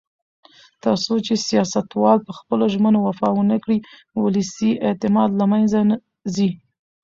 تر څو چې سیاستوال په خپلو ژمنو وفا ونکړي، ولسي اعتماد له منځه ځي.